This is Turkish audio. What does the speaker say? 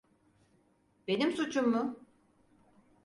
Benim suçum mu?